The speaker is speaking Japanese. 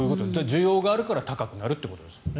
需要があるから高くなるということでですね。